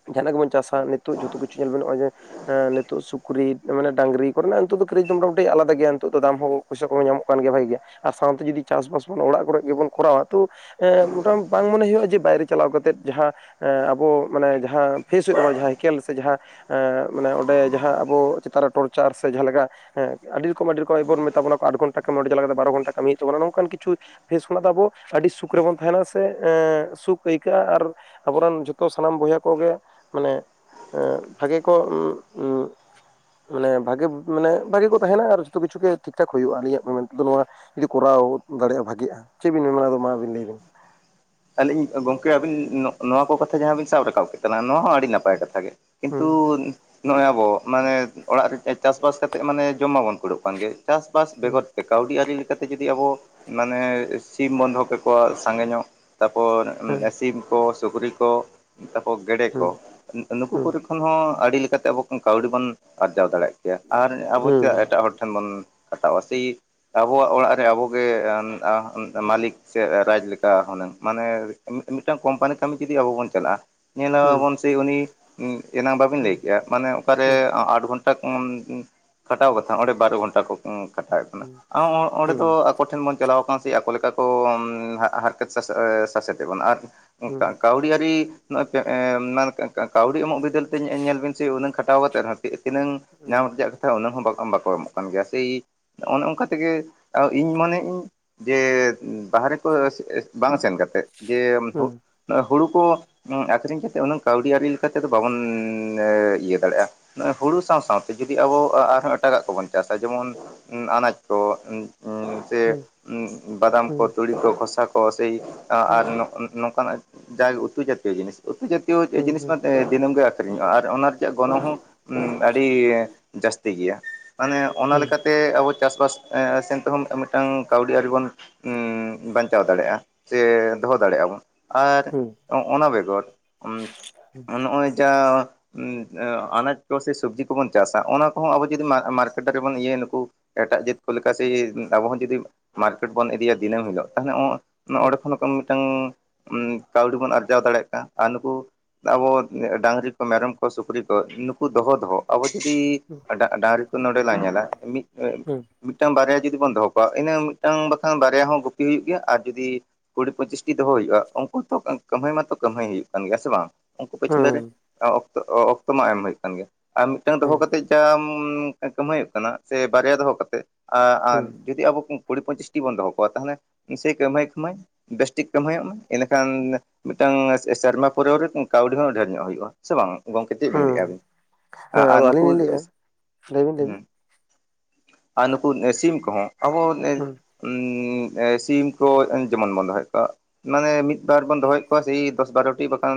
S1: ᱡᱟᱦᱟᱱᱟᱜ ᱜᱮᱵᱚᱱ ᱪᱟᱥᱼᱼ ᱟ ᱱᱤᱛᱚᱜ ᱡᱚᱛᱚ ᱠᱤᱪᱷᱩ ᱧᱮᱞ ᱢᱮ ᱱᱚᱜᱼᱚᱭ ᱡᱮᱼᱼ ᱮᱸ ᱱᱤᱛᱚᱜ ᱥᱩᱠᱨᱤ ᱢᱟᱱᱮ ᱰᱟᱝᱨᱤ ᱠᱚᱨᱮᱱᱟᱜ ᱱᱤᱛᱚᱜ ᱫᱚ ᱠᱮᱨᱮᱡ ᱫᱚ ᱢᱚᱴᱟ-ᱢᱩᱴᱤ ᱟᱞᱟᱫᱟ ᱜᱮᱭᱟ ᱱᱤᱛᱚᱜ ᱫᱚ ᱫᱟᱢ ᱦᱚᱸ ᱯᱚᱭᱥᱟ ᱠᱚᱦᱚᱸ ᱧᱟᱢᱚᱜ ᱠᱟᱱ ᱜᱮᱭᱟ ᱵᱷᱟᱜᱤ ᱜᱮᱭᱟ, ᱟᱨ ᱥᱟᱶᱛᱮ ᱡᱩᱫᱤ ᱪᱟᱥᱵᱟᱥ ᱵᱚᱱ ᱚᱲᱟᱜ ᱠᱚᱨᱮ ᱜᱮᱵᱚᱱ ᱠᱚᱨᱟᱣᱟ ᱛᱚᱼᱼ ᱮᱸ ᱢᱚᱴᱟᱢ ᱵᱟᱝ ᱢᱚᱱᱮ ᱦᱩᱭᱩᱜᱼᱟ ᱡᱮ ᱵᱟᱭᱨᱮ ᱪᱟᱞᱟᱣ ᱠᱟᱛᱮᱜ ᱡᱟᱦᱟᱸᱼᱼ ᱮᱸ ᱟᱵᱚ ᱢᱟᱱᱮ ᱡᱟᱦᱟᱸ ᱯᱷᱮᱥ ᱦᱩᱭᱩᱜ ᱛᱟᱵᱚᱱᱟ ᱡᱟᱦᱟᱸ ᱦᱤᱠᱮᱞ ᱥᱮ ᱡᱟᱦᱟᱸᱼᱼ ᱮᱸ ᱢᱟᱱᱮ ᱚᱸᱰᱮ ᱡᱟᱦᱟᱸ ᱟᱵᱚ ᱪᱮᱛᱟᱱ ᱨᱮ ᱴᱚᱨᱪᱟᱨ ᱥᱮ ᱡᱟᱦᱟᱸ ᱞᱮᱠᱟᱼᱼ ᱦᱮᱸ ᱟᱹᱰᱤ ᱨᱚᱠᱚᱢ ᱟᱹᱰᱤ ᱨᱚᱠᱚᱢ ᱮᱸ ᱵᱚᱱ ᱢᱮᱛᱟ ᱵᱚᱱᱟ ᱠᱚ ᱟᱴ ᱜᱷᱚᱱᱴᱟ ᱠᱟᱹᱢᱤ ᱚᱸᱲᱮ ᱪᱟᱞᱟᱣ ᱠᱟᱛᱮᱜ ᱵᱟᱨᱚ ᱜᱷᱚᱱᱟ ᱠᱟᱹᱢᱤ ᱦᱩᱭᱩᱜ ᱛᱟᱵᱚᱱᱟ ᱱᱚᱝᱠᱟᱱ ᱠᱤᱪᱷᱩᱼᱼ ᱯᱷᱮᱥ ᱠᱷᱚᱱᱟᱜ ᱫᱚ ᱟᱵᱚ ᱟᱹᱰᱤ ᱥᱩᱠ ᱨᱮᱵᱚᱱ ᱛᱟᱦᱮᱱᱟ ᱥᱮ ᱮᱸ ᱥᱩᱠ ᱟᱹᱭᱠᱟᱹᱜᱼᱟ ᱟᱨᱼᱼ ᱟᱵᱚᱨᱮᱱ ᱡᱚᱛᱚ ᱥᱟᱱᱟᱢ ᱵᱚᱭᱦᱟ ᱠᱚᱜᱮ ᱢᱟᱱᱮᱼᱼ ᱮᱸᱻ ᱵᱷᱟᱹᱜᱮ ᱠᱚ ᱩᱸ ᱩᱸᱼᱼ ᱢᱟᱱᱮ ᱵᱷᱟᱜᱮ ᱢᱟᱱᱮ ᱵᱷᱟᱜᱮ ᱠᱚ ᱛᱟᱦᱮᱱᱟ ᱟᱨ ᱡᱚᱛᱚ ᱠᱤᱪᱷᱩ ᱜᱮ ᱴᱷᱤᱠ-ᱴᱷᱟᱠ ᱦᱩᱭᱩᱜᱼᱟ ᱟᱹᱞᱤᱧᱟᱜ ᱢᱮᱱ ᱛᱮᱫᱚ ᱱᱚᱣᱟᱼᱼ ᱡᱩᱫᱤ ᱠᱚᱨᱟᱣ ᱫᱟᱲᱮᱭᱟᱜᱼᱟ ᱵᱷᱟᱹᱜᱤᱜᱼᱟ ᱪᱮᱫ ᱵᱤᱱ ᱢᱮᱱᱟ ᱢᱟ ᱟᱫᱚ ᱟᱵᱤᱱ ᱞᱟᱹᱭᱵᱮᱱ?
S2: ᱟᱹᱞᱤᱧ ᱜᱚᱝᱠᱮ ᱟᱵᱤᱱ ᱱᱚᱜ-ᱱᱚᱣᱟ ᱠᱚ ᱠᱟᱛᱷᱟ ᱡᱟᱦᱟᱸ ᱵᱤᱱ ᱥᱟᱵ ᱨᱟᱠᱟᱵ ᱠᱮᱫ ᱛᱟᱞᱟᱸᱜᱼᱟ ᱱᱚᱣᱟ ᱦᱚᱸ ᱟᱹᱰᱤ ᱱᱟᱯ ᱯᱟᱭ ᱠᱟᱛᱷᱟ ᱜᱮ
S1: ᱦᱩᱸ
S2: ᱠᱤᱱᱛᱩ ᱱᱚᱜ-ᱚᱭ ᱟᱵᱚ ᱢᱟᱱᱮ ᱚᱲᱟᱜ ᱨᱮ ᱪᱟᱥ-ᱵᱟᱥ ᱠᱟᱛᱮᱫ ᱢᱟᱱᱮ ᱡᱚᱢ ᱢᱟᱵᱚᱱ ᱠᱩᱲᱟᱹᱜ ᱠᱟᱱ ᱜᱮ ᱪᱟᱥ ᱵᱟᱥ
S1: ᱦᱩᱸ
S2: ᱵᱮᱜᱚᱨ ᱠᱟᱹᱣᱰᱤ ᱟᱹᱨᱤ ᱞᱮᱠᱟᱛᱮ ᱡᱩᱫᱤ ᱟᱵᱚ ᱢᱟᱱᱮ ᱥᱤᱢ ᱵᱚᱱ ᱫᱚᱦᱚ ᱠᱟᱠᱚᱣᱟ ᱥᱟᱸᱜᱮ ᱧᱚᱜ ᱛᱟᱯᱚᱨ
S1: ᱦᱩᱸ
S2: ᱥᱤᱢ ᱠᱚ, ᱥᱩᱠᱨᱤ ᱠᱚ, ᱛᱟᱯᱚᱨ ᱜᱮᱰᱮ
S1: ᱦᱩᱸ
S2: ᱠᱚ ᱱᱩᱠᱩ
S1: ᱦᱩᱸ
S2: ᱠᱚᱨᱮ ᱠᱚ ᱠᱷᱚᱱ ᱦᱚᱸ ᱟᱹᱰᱤ ᱞᱮᱠᱟᱛᱮ ᱟᱵᱚ ᱠᱷᱚᱱ ᱠᱟᱹᱣᱰᱤ ᱵᱚᱱ ᱟᱨᱡᱟᱣ ᱫᱟᱲᱮᱭᱟᱜ ᱠᱮᱭᱟ ᱟᱨ ᱟᱵᱚ ᱪᱮᱫᱟᱜ
S1: ᱦᱩᱸ
S2: ᱮᱴᱟᱜ ᱦᱚᱲ ᱴᱷᱮᱱ ᱵᱚᱱ ᱠᱷᱟᱴᱟᱣᱼᱟ ᱥᱮ ᱟᱵᱚᱣᱟᱜ ᱚᱲᱟᱜ ᱨᱮ ᱟᱵᱚᱜᱮ [unintelligible] ᱢᱟᱹᱞᱤᱠ ᱥᱮ ᱨᱟᱡᱽ ᱞᱮᱠᱟ ᱦᱩᱱᱟᱹᱝ ᱢᱟᱱᱮ ᱢᱤᱫᱴᱟᱝ ᱠᱳᱢᱯᱟᱱᱤ ᱠᱟᱹᱢᱤ ᱡᱩᱫᱤ ᱟᱵᱚ ᱵᱚᱱ ᱪᱟᱞᱟᱜᱼᱟ
S1: ᱦᱩᱸ
S2: ᱧᱮᱞᱟᱵᱚᱱ ᱥᱮ ᱩᱱᱤ ᱮᱱᱟᱝ ᱵᱟᱹᱵᱤᱱ
S1: ᱦᱩᱸ
S2: ᱞᱟᱹᱭ ᱠᱮᱼᱟ ᱢᱟᱱᱮ ᱚᱠᱟᱨᱮ
S1: ᱦᱩᱸ
S2: ᱟᱴ ᱜᱷᱚᱱ ᱴᱟ ᱠᱷᱚᱱ [unintelligible] ᱠᱷᱟᱴᱟᱣ ᱠᱟᱛᱷᱟ ᱚᱸᱰᱮ ᱵᱟᱨᱚ ᱜᱷᱚᱱᱴᱟ ᱠᱚ ᱠᱟᱴᱟᱣᱮᱫ ᱠᱟᱱᱟ
S1: ᱦᱩᱸ
S2: ᱚᱸᱰᱮ
S1: ᱦᱩᱸ
S2: ᱫᱚ ᱟᱠᱚ ᱴᱷᱮᱱ ᱵᱚᱱ ᱪᱟᱞᱟᱣ ᱠᱟᱱᱟ ᱥᱮ ᱟᱠᱚ ᱞᱮᱠᱟ ᱠᱚ ᱦᱟ ᱦᱟᱨᱠᱮᱛ ᱥᱟᱥ ᱟᱮᱻ ᱥᱟᱥᱮᱛ ᱮ ᱵᱚᱱ ᱟᱨ
S1: ᱦᱩᱸ
S2: ᱠ
S1: ᱦᱩᱸ
S2: ᱠᱟᱹᱣᱰᱤ ᱟᱨᱤ ᱱᱚᱜ ᱯᱮᱸᱻ [unintelligible] ᱠᱟᱹᱣᱰᱤ ᱮᱢᱚᱜ ᱵᱤᱫᱟᱹᱞ ᱛᱮ ᱧᱜ ᱧᱮᱞ ᱵᱤᱱ ᱥᱮ ᱩᱱᱟᱹᱝ ᱠᱷᱟᱴᱟᱣ ᱠᱟᱛᱮ ᱨᱮᱦᱚᱸ ᱛᱤᱱᱟᱹᱜ
S1: ᱦᱩᱸ
S2: ᱧᱟᱢ ᱨᱮᱡᱟᱜ ᱠᱟᱛᱷᱟ ᱩᱱᱟᱹᱜ ᱦᱚᱸ ᱵᱟᱠᱚ ᱮᱢᱚᱜ ᱠᱟᱱ ᱜᱮᱭᱟ ᱥᱮᱭ ᱚᱱᱮ ᱚᱱᱠᱟ ᱛᱮᱜᱮ ᱤᱧ ᱢᱚᱱᱮᱭᱼᱤᱧ ᱡᱮ ᱵᱟᱦᱨᱮ ᱠᱚ ᱥ ᱥ ᱵᱟᱝ ᱥᱮᱱ ᱠᱟᱛᱮᱫ ᱡᱮ
S1: ᱦᱩᱸ
S2: ᱦᱩ
S1: ᱦᱩᱸ
S2: ᱦᱩᱲᱩ ᱠᱚ ᱟᱠᱷᱨᱤᱧ ᱠᱟᱛᱮᱜ ᱩᱱᱟᱹᱝ ᱠᱟᱹᱣᱰᱤ ᱟᱨᱨᱤ ᱞᱮᱠᱟᱛᱮᱫᱚ ᱵᱟᱵᱚᱱ ᱤᱭᱟᱹ ᱫᱟᱲᱮᱭᱟᱜᱼᱟ, ᱱᱚᱜᱼᱚᱭ ᱦᱩᱲᱩ ᱥᱟᱶ-ᱥᱟᱶᱛᱮ ᱡᱩᱫᱤ ᱟᱵᱚ ᱟᱨᱦᱚᱸ ᱮᱴᱟᱜᱟᱜ ᱠᱚᱵᱚᱱ ᱪᱟᱥᱟ, ᱡᱮᱢᱚᱱ ᱟᱱᱟᱡ ᱠᱚ [unintelligible] ᱥᱮ
S1: ᱦᱩᱸ ᱦᱩᱸ
S2: ᱵᱟᱫᱟᱢ
S1: ᱦᱩᱸ ᱦᱩᱸ
S2: ᱠᱚ,
S1: ᱦᱩᱸ
S2: ᱛᱩᱲᱤ ᱠᱚ, ᱠᱷᱚᱥᱟ ᱠᱚ, ᱥᱮᱭ ᱟᱨ
S1: ᱦᱩᱸ
S2: ᱱᱚᱜ ᱱᱚᱝᱠᱟᱱᱟᱜ ᱡᱟᱜᱮ ᱩᱛᱩ ᱡᱟᱛᱤᱭᱚ ᱡᱤᱱᱤᱥ ᱩᱛᱩ ᱡᱟᱛᱤᱭ ᱡᱤᱱᱤᱥ
S1: ᱦᱩᱸ
S2: ᱢᱟ ᱫᱤᱱᱟᱹᱢ ᱜᱮ ᱟᱹᱠᱷᱨᱤᱧᱚᱜᱼᱟ ᱟᱨ ᱚᱱᱟ ᱨᱮᱭᱟᱜ ᱜᱚᱱᱚᱝ ᱦᱚᱸ ᱩᱸ ᱟᱹᱰᱤ ᱡᱟᱹᱥᱛᱤ ᱜᱮᱭᱟ, ᱢᱟᱱᱮ ᱚᱱᱟ ᱞᱮᱠᱟ ᱛᱮ ᱟᱵᱚ ᱪᱟᱥᱵᱟᱥ ᱮᱸ ᱥᱮᱱ ᱛᱮᱦᱚᱸ ᱢᱤᱫᱴᱟᱝ ᱠᱟᱹᱣᱰᱤ ᱟᱹᱨᱤ ᱵᱚᱱ ᱩᱸ ᱵᱟᱧ ᱪᱟᱣ ᱫᱟᱲᱮᱭᱟᱜᱼᱟ, ᱥᱮ ᱫᱚᱦᱚ ᱫᱟᱲᱮᱭᱟᱜᱼᱟ ᱵᱚᱱ᱾ ᱟᱨ ᱚᱱᱟ ᱵᱮᱜᱚᱨ ᱚᱢ ᱱᱚᱜᱼᱚᱭ ᱡᱟ ᱚᱸ ᱚᱸ ᱟᱱᱟᱡ ᱠᱚ ᱥᱮ ᱥᱚᱵᱡᱤ ᱠᱚᱵᱚᱱ ᱪᱟᱥᱟ ᱚᱱᱟ ᱠᱚᱦᱚᱸ ᱟᱵᱚ ᱡᱩᱫᱤ ᱢᱟ-ᱢᱟᱨᱠᱮᱴᱟᱨᱤ ᱵᱚᱱ ᱤᱭᱟᱹᱭᱟ ᱱᱩᱠᱩ ᱮᱴᱟᱜ ᱡᱟᱹᱛ ᱠᱚ ᱞᱮᱠᱟ ᱥᱮ ᱟᱵᱦᱚᱸ ᱡᱩᱫᱤ ᱢᱟᱨᱠᱮᱴ ᱵᱚᱱ ᱤᱫᱤᱭᱟ ᱫᱤᱱᱟᱹᱢ ᱦᱤᱞᱳᱜ ᱛᱟᱦᱞᱮ ᱚᱸ ᱚᱸᱰᱮ ᱠᱷᱚᱱ ᱢᱤᱫᱴᱟᱝ ᱠᱟᱹᱣᱰᱤ ᱵᱚᱱ ᱟᱨᱡᱟᱣ ᱫᱟᱲᱮᱭᱟᱜ ᱠᱟᱱᱟ ᱟᱨ ᱱᱩᱠᱩ ᱟᱵᱚ ᱰᱟᱝᱨᱤ ᱠᱚ, ᱢᱮᱨᱚᱢ ᱠᱚ, ᱥᱩᱠᱨᱤ ᱠᱚ, ᱱᱩᱠᱩ ᱫᱚᱦᱚ ᱫᱚᱦᱚ ᱟᱵᱚ ᱡᱩᱫᱤ ᱰᱟᱝᱨᱤ ᱠᱚ ᱱᱚᱸᱰᱮ ᱞᱟᱟᱝ ᱧᱮᱞᱟ ᱢᱤᱫ ᱢᱤᱫᱴᱟᱝ ᱵᱟᱨᱭᱟ ᱡᱩᱫᱤ ᱵᱚᱱ ᱫᱚᱦᱚ ᱠᱚᱣᱟ ᱤᱱᱟᱹ ᱢᱤᱫᱴᱟᱝ ᱵᱟᱠᱷᱟᱱ ᱵᱟᱨᱭᱟ ᱦᱚᱸ ᱜᱩᱯᱤ ᱦᱩᱭᱩᱜ ᱜᱮᱭᱟ ᱟᱨ ᱡᱩᱫᱤ ᱠᱩᱲᱤ ᱯᱚᱸᱪᱤᱥᱴᱤ ᱫᱚᱦᱚ ᱦᱩᱭᱩᱜᱼᱟ, ᱩᱝᱠᱩ ᱦᱚᱸᱛᱚ ᱠᱟᱹᱢᱦᱟᱹᱭ ᱢᱟᱭᱚ ᱠᱟᱹᱢᱦᱟᱹᱭ ᱦᱩᱭᱩᱜ ᱠᱟᱱ ᱜᱮᱭᱟ ᱥᱮ ᱵᱟᱝ᱾ ᱩᱝᱠᱩ ᱯᱤᱪᱷᱞᱟᱹ ᱨᱮ ᱮᱸ ᱚᱠᱛᱚ-ᱚᱠᱛᱚ ᱢᱟ ᱮᱢ ᱦᱩᱭᱩᱜ ᱠᱟᱱ ᱜᱮᱭᱟ, ᱟᱨ ᱢᱤᱫᱴᱟᱝ ᱫᱚᱦᱚ ᱠᱟᱛᱮᱫ ᱠᱟᱴ ᱠᱟᱹᱢᱦᱟᱹᱭ ᱠᱟᱱᱟ ᱥᱮ ᱵᱟᱨᱭᱟ ᱫᱚᱦᱚ ᱠᱟᱛᱮᱜ ᱟᱸ ᱟᱸ
S1: ᱦᱩᱸ
S2: ᱡᱩᱫᱤ ᱟᱵᱚ ᱠᱩᱲᱤ ᱯᱚᱪᱤᱥᱴᱤ ᱵᱚᱱ ᱫᱚᱦᱚ ᱠᱚᱣᱟ ᱛᱟᱦᱞᱮ ᱱᱤᱥᱮᱭ ᱠᱟᱹᱢᱦᱟᱹᱭ ᱠᱟᱹᱢᱦᱟᱹᱭ ᱵᱮᱥᱴᱷᱤᱠ ᱠᱟᱹᱢᱦᱟᱹᱭᱚᱜ ᱢᱟ, ᱮᱸᱰᱮᱠᱷᱟᱱ ᱢᱤᱫᱴᱟᱝ ᱥᱮᱨᱢᱟ ᱯᱚᱨᱟᱹᱣ ᱨᱮ ᱠᱟᱹᱣᱰᱤ ᱦᱚᱸ ᱰᱷᱮᱨ ᱧᱚᱜ ᱦᱩᱭᱩᱜᱼᱟ᱾ ᱥᱮ ᱵᱟᱝ ᱜᱚᱝᱠᱮ ᱪᱮᱫ ᱵᱤᱱ ᱞᱟᱹᱭᱮᱜᱼᱟ
S1: ᱦᱩᱸ
S2: ᱟᱵᱤᱱ?
S1: ᱦᱮᱸ
S2: ᱟᱨ
S1: ᱟᱫᱚ
S2: ᱱᱩᱠᱩ
S1: ᱟᱹᱞᱤᱧ ᱞᱤᱧ ᱞᱟᱹᱭᱮᱜᱼᱟ ᱞᱟᱹᱭᱵᱤᱱ
S2: ᱦᱩᱸᱼᱼ
S1: ᱞᱟᱹᱭᱵᱤᱱ
S2: ᱟᱨ ᱱᱩᱠᱩ ᱥᱤᱢ ᱠᱚᱦᱚᱸ ᱟᱵᱚ
S1: ᱦᱩᱸ
S2: ᱩᱸ ᱮ ᱥᱤᱢ ᱠᱚ ᱡᱮᱢᱚᱱ ᱵᱚᱱ ᱫᱚᱦᱚᱭᱮᱜ ᱠᱚᱣᱟ ᱢᱟᱱᱮ ᱢᱤᱫᱵᱟᱨ ᱵᱚᱱ ᱫᱚᱦᱚᱭᱮᱜ ᱠᱚᱣᱟ ᱥᱮ ᱮᱭ ᱫᱚᱥ ᱵᱟᱨᱚᱴᱤ ᱵᱟᱠᱷᱟᱱ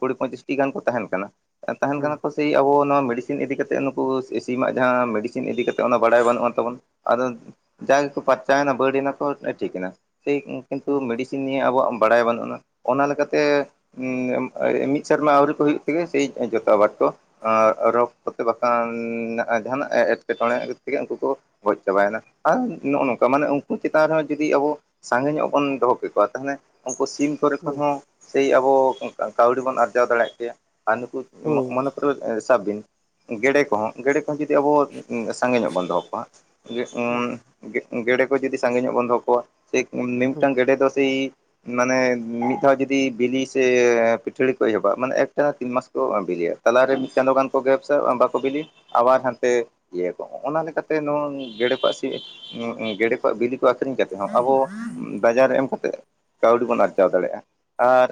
S2: ᱠᱩᱲᱤ ᱯᱚᱸᱪᱤᱥᱴᱤ ᱜᱟᱱ ᱠᱚ ᱛᱟᱦᱮᱱ ᱠᱟᱱᱟ᱾ ᱛᱟᱦᱮᱱ
S1: ᱦᱩᱸ
S2: ᱠᱟᱱᱟ ᱠᱚ ᱥᱮᱭ ᱟᱵᱚ ᱱᱚᱣᱟ ᱢᱮᱰᱤᱥᱤᱱ ᱤᱫᱤ ᱠᱟᱛᱮ ᱱᱩᱠᱩ ᱮ ᱥᱤᱢᱟᱜ ᱡᱟᱦᱟᱸ ᱢᱮᱰᱤᱥᱤᱱ ᱤᱫᱤ ᱠᱟᱛᱮᱫ ᱚᱱᱟ ᱵᱟᱲᱟᱭ ᱵᱟᱹᱱᱩᱜᱼᱟ ᱛᱟᱵᱚᱱ᱾ ᱟᱫᱚ ᱡᱟ ᱜᱮᱠᱚ ᱯᱟᱨᱪᱟᱣᱮᱱᱟ ᱵᱟᱹᱲ ᱮᱱᱟ ᱠᱚ ᱴᱷᱤᱠᱮᱱᱟ᱾ ᱥᱮᱭ ᱠᱤᱱᱛᱩ
S1: ᱦᱩᱸ
S2: ᱢᱮᱤᱰᱤᱥᱤᱱ ᱱᱤᱭᱮ ᱟᱵᱚᱣᱟᱜ ᱵᱟᱲᱟᱭ ᱵᱟᱹᱱᱩᱜᱼᱟ ᱚᱱᱟ ᱞᱮᱠᱟᱛᱮ ᱩᱸ ᱢᱤᱫ ᱥᱮᱨᱢᱟ ᱟᱹᱣᱨᱤ ᱠᱚ ᱦᱩᱭᱩᱜ ᱛᱮᱜᱮ ᱥᱮ ᱡᱚᱛᱚ ᱟᱵᱟᱨ ᱠᱚ ᱟᱨ ᱨᱳᱜᱽ ᱠᱚᱛᱮ ᱵᱟᱠᱷᱟᱱ ᱡᱟᱦᱟᱱᱟᱜ ᱮᱸᱴᱠᱮᱴᱚᱬᱮ ᱛᱮᱜᱮ ᱩᱱᱠᱩ ᱠᱚ ᱜᱚᱡ ᱪᱟᱵᱟᱭᱱᱟ, ᱟᱨ ᱱᱚᱜᱼᱚ ᱱᱚᱝᱠᱟ ᱢᱟᱱᱮ ᱩᱱᱠᱩ ᱪᱮᱛᱟᱱ ᱨᱮᱦᱚᱸ ᱡᱩᱫᱤ ᱟᱵᱚ ᱥᱟᱸᱜᱮ ᱧᱚᱜ ᱵᱚᱱ ᱫᱚᱦᱚ ᱠᱮᱠᱚᱣᱟ ᱛᱟᱦᱞᱮ ᱩᱝᱠᱩ ᱥᱤᱢ ᱠᱚᱨᱮ ᱠᱷᱚᱱ
S1: ᱦᱩᱸ
S2: ᱦᱚᱸ ᱥᱮᱭ ᱟᱵᱚ ᱠᱟ-ᱠᱟᱹᱣᱰᱤ ᱵᱚᱱ ᱟᱨᱡᱟᱣ ᱫᱟᱲᱮᱭᱟᱜ ᱠᱮᱭᱟ, ᱟᱨ ᱱᱩᱠᱩ
S1: ᱦᱩᱸ
S2: ᱢᱚ-ᱢᱚᱱᱮ ᱠᱚᱨᱮ ᱥᱟᱵ ᱵᱤᱱ ᱜᱮᱰᱮ ᱠᱚᱦᱚᱸ ᱜᱮᱲᱮ ᱠᱚᱦᱚᱸ ᱡᱩᱫᱤ ᱟᱵᱚ ᱥᱟᱸᱜᱮ ᱧᱚᱜ ᱵᱚᱱ ᱫᱚᱦᱚ ᱠᱚᱣᱟ ᱩᱸ ᱜᱮᱲᱮ ᱠᱚ ᱡᱩᱫᱤ ᱥᱟᱸᱜᱮ ᱧᱚᱜ ᱵᱚᱱ ᱫᱚᱦᱚ ᱠᱚᱣᱟ ᱥᱮ ᱩᱱᱤ
S1: ᱦᱩᱸ
S2: ᱢᱤᱫᱴᱟᱝ ᱜᱮᱰᱮ ᱫᱚ ᱥᱮᱭ ᱢᱟᱱᱮ ᱢᱤᱫ ᱫᱷᱟᱣ ᱡᱩᱫᱤ ᱵᱤᱞᱤ ᱥᱮ ᱯᱤᱴᱷᱟᱹᱲᱤ ᱠᱚ ᱮᱦᱚᱵ ᱢᱟᱱᱮ ᱮᱠᱴᱟᱱᱟ ᱛᱤᱱ ᱢᱟᱥ ᱠᱚ ᱵᱤᱞᱤᱭᱟ᱾ ᱛᱟᱞᱟ ᱨᱮ ᱢᱤᱫ ᱪᱟᱸᱫᱚ ᱠᱟᱱ ᱠᱚ ᱜᱮᱯᱥᱟ ᱵᱟᱠᱚ ᱵᱤᱞᱤᱭᱟ᱾ ᱟᱵᱟᱨ ᱦᱟᱱᱛᱮ ᱤᱭᱟᱹ ᱠᱚ ᱦᱚᱸᱜᱼᱱᱟ ᱞᱮᱠᱟ ᱛᱮ ᱱᱚᱣᱟ ᱜᱮᱰᱮ ᱠᱚᱣᱟᱜ ᱥᱤ ᱚᱸᱜ ᱚᱸᱜ ᱜᱮᱰᱮ ᱠᱚᱣᱟᱜ ᱵᱤᱞᱤ ᱠᱚ ᱟᱠᱷᱨᱤᱧ ᱠᱟᱛ ᱡᱟᱦᱟᱸ ᱟᱵᱚ ᱵᱟᱡᱟᱨ ᱮᱢ ᱠᱟᱛᱮᱜ ᱠᱟᱹᱣᱰᱤ ᱵᱚᱱ ᱟᱨᱡᱟᱣ ᱫᱟᱲᱮᱭᱟᱜᱼᱟ, ᱟᱨ